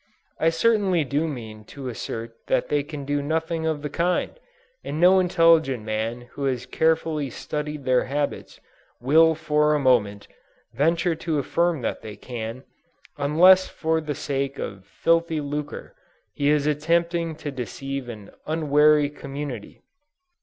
I certainly do mean to assert that they can do nothing of the kind, and no intelligent man who has carefully studied their habits, will for a moment, venture to affirm that they can, unless for the sake of "filthy lucre," he is attempting to deceive an unwary community.